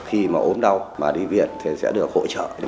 khi mà ốm đau mà đi viện thì sẽ được hỗ trợ